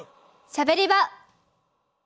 しゃべり場！